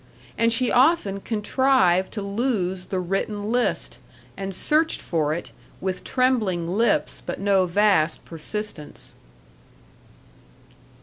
And she often contrived to lose the written list, and searched for it, with trembling lips but no vast persistence.